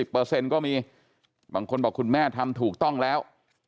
เปอร์เซ็นต์ก็มีบางคนบอกคุณแม่ทำถูกต้องแล้ว